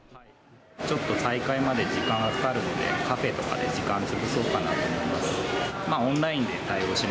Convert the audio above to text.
ちょっと再開まで時間がかかるので、カフェとかで時間潰そうかなと思います。